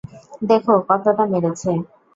দেখ কতটা মেরেছে।